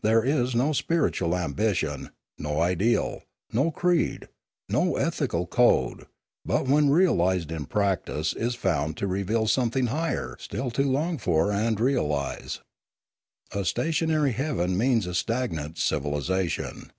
There is no spiritual ambition, no ideal, no creed, no ethical code, but when realised in practice is found to reveal something higher still to long for and realise. A stationary heaven means a stagnant civilisation.